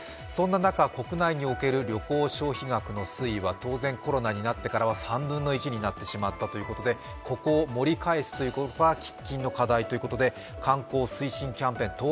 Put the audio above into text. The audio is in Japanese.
そんな中、国内における旅行消費額の推移は当然、コロナになってからは３分の１になってしまったということでここを盛り返すことが喫緊の課題ということで観光推進キャンペーン